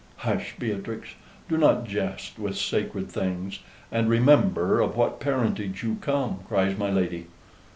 "Hush, Beatrix! Do not jest with sacred things, and remember of what parentage you come," cries my lady.